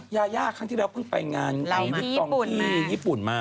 ยาย่าครั้งที่แล้วเพิ่งไปงานวิกตองที่ญี่ปุ่นมา